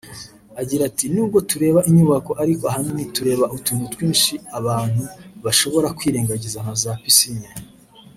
Agira ati "N’ubwo tureba inyubako ariko ahanini tureba utuntu twinshi abantu bashobora kwirengagiza nka za piscine